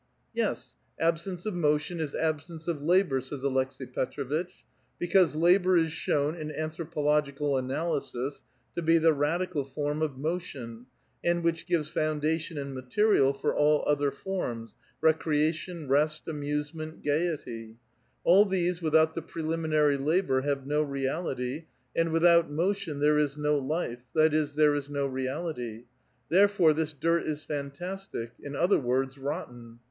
" Yes, absence of motion is absence of labor," says Aleks^i Petr6vitcli. " Because labor is shown in anthropo logical analysis to be the radical form of motion, and which gives foundation and material for all other forms, — recrea tion, rest, amusement, gayety ; all these without the pre liminary labor have no reality' ; and without motion, there is no life, that is, there is no reality ; therefore, this dirt is fantastic, in other words, rotten.